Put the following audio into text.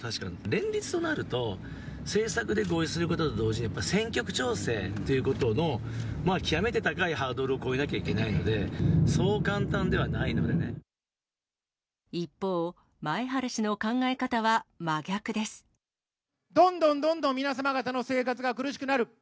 連立となると、政策で合意することと同時に、選挙区調整っていうことの、極めて高いハードルを越えなきゃいけないので、そう簡単ではない一方、どんどんどんどん皆様方の生活が苦しくなる。